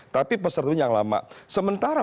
tapi pesertanya yang lama sementara